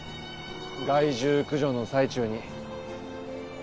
害獣駆除の最中に。